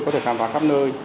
có thể khám phá khắp nơi